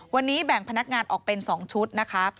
วันนี้แบ่งพนักงานออกเป็น๒ชุดนะคะ